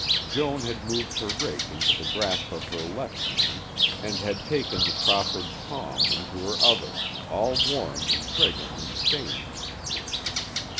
Joan had moved her rake into the grasp of her left hand and had taken the proffered palm into her other, all warm and fragrantly stained.